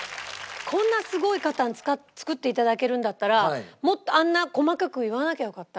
こんなすごい方に作って頂けるんだったらもっとあんな細かく言わなきゃよかった。